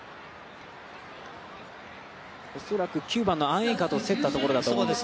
恐らく、９番のアン・エイカと競ったところだと思います。